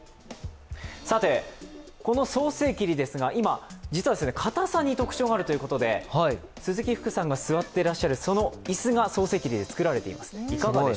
この早生桐ですが、実は硬さに特徴があるということで、鈴木福さんが座っていらっしゃるその椅子が早生桐で作られています。